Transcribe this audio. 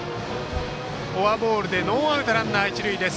フォアボールでノーアウトランナー、一塁です。